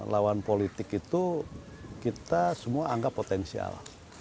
lawan politik itu kita semua anggap potensial